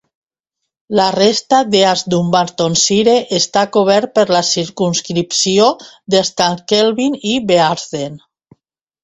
La resta d'East Dunbartonshire està cobert per la circumscripció d'Strathkelvin i Bearsden.